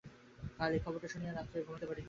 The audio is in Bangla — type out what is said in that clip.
কাল এই খবরটা শুনিয়া রাত্রে আমি ঘুমাইতে পারি নাই।